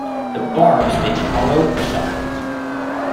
The barbs may be hollow or solid.